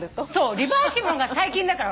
リバーシブルが最近だから。